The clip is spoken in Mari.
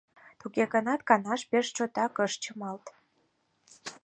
Туге гынат канат пеш чотак ыш чымалт.